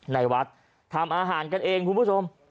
ในวัดทำอาหารกันเองคุณผู้ชม